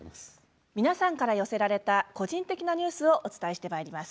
皆さんから寄せられた個人的なニュースをお伝えしてまいります。